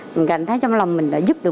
mình cảm thấy trong lòng mình đã giúp được